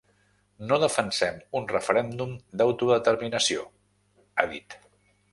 “No defensem un referèndum d’autodeterminació”, ha dit.